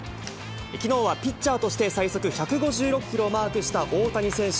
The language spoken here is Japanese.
きのうはピッチャーとして最速１５６キロをマークした大谷選手。